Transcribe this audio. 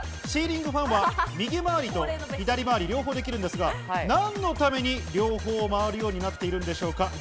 シーリングファンは右回りと左回り、両方できるんですが、なんのために両方回るようになっているんでしょうか？